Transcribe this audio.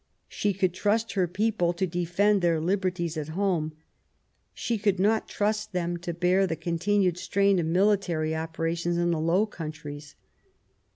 She could trust her people to defend their liberties at home ; she could not trust them to bear the continued strain of military operations in the Low Countries.